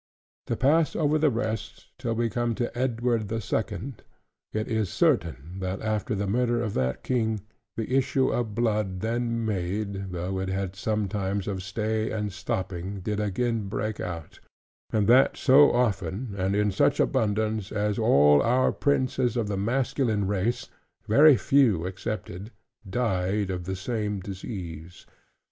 To pass over the rest, till we come to Edward the Second; it is certain, that after the murder of that King, the issue of blood then made, though it had some times of stay and stopping, did again break out, and that so often and in such abundance, as all our princes of the masculine race (very few excepted) died of the same disease.